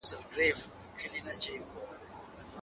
نړۍ تل بدلیږي خو انساني حماقت ثابت پاتې کیږي.